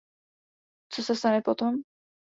Co se stane potom?